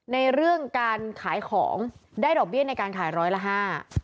ในเรื่องการขายของได้ดอกเบี้ยในการขายร้อยละห้า